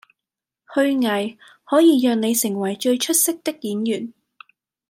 虛偽可以讓你成為最出色的演員